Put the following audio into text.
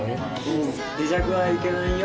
手酌はいけないよ。